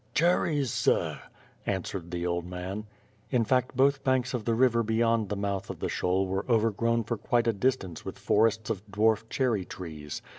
"Cherries, sir," answered the old man. In fact both banks of the river beyond the mouth of the Pshol were overgrown for quite a distance with forests of dwarf cherry trees.